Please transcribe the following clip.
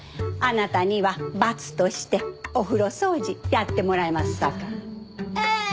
あなたには罰としてお風呂掃除やってもらいますさかい。